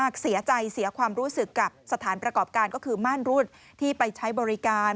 เสียใจเสียความรู้สึกกับสถานประกอบการก็คือม่านรุ่นที่ไปใช้บริการ